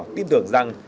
tin tưởng rằng